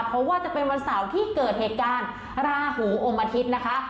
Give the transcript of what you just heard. เพราะว่าจะเป็นวันเสาร์ที่เกิดเหตุการณ์ราหูอมอาทิตย์นะคะ